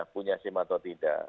punya sim atau tidak